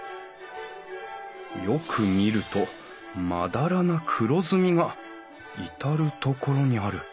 よく見るとまだらな黒ずみが至る所にある。